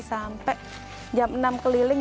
sampai jam enam keliling